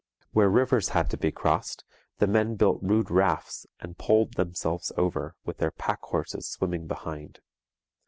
Where rivers had to be crossed, the men built rude rafts and poled themselves over, with their pack horses swimming behind.